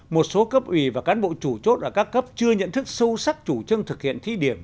một số cấp ủy và cán bộ chủ chốt ở các cấp chưa nhận thức sâu sắc chủ trương thực hiện thí điểm